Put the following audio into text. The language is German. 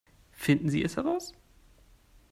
Finden Sie es heraus!